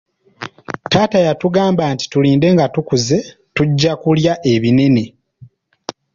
Taata yatugambanga nti tulinde nga tukuzze tujja kulya ebinene.